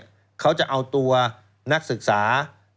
เวลาไทยเขาจะเอาตัวนักศึกษา